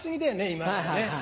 今のはね。